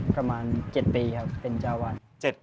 ประมาณ๗ปีครับเป็นเจ้าวัน